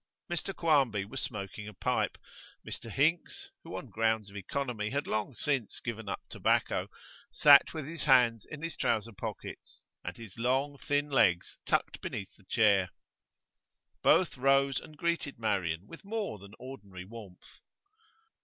Mr Quarmby was smoking a pipe; Mr Hinks, who on grounds of economy had long since given up tobacco, sat with his hands in his trouser pockets, and his long, thin legs tucked beneath the chair; both rose and greeted Marian with more than ordinary warmth.